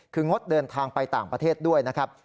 คืองดเดินทางไปต่างประเทศด้วยนะครับ